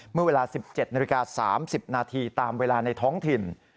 เมื่อเวลา๑๗นาฬิกา๓๐นาทีตามเวลาในท้องถิ่น